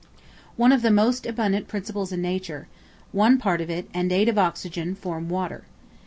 One of the most abundant principles in nature; one part of it, and eight of oxygen, form water.